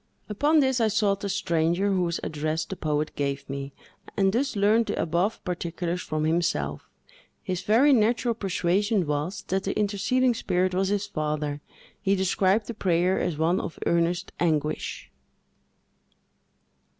Upon this, I sought the stranger, whose address the poet gave me, and thus learned the above particulars from himself. His very natural persuasion was, that the interceding spirit was his father. He described the prayer as one of earnest anguish.